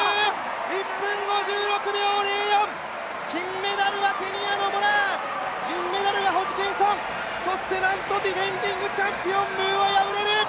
１分５６秒０４、金メダルはケニアのモラア、銀メダルがホジキンソンそしてなんとディフェンディングチャンピオンムーは敗れる。